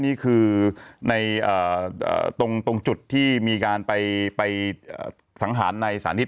นี่คือในตรงจุดที่มีการไปสังหารในสานิท